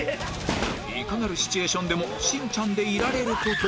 いかなるシチュエーションでもしんちゃんでいられる事